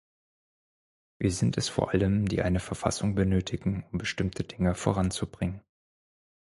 Wir sind es vor allem, die eine Verfassung benötigen, um bestimmte Dinge voranzubringen.